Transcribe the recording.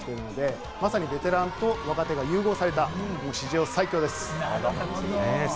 また若い選手も入ってきているので、まさにベテランと若手が融合された史上最強です。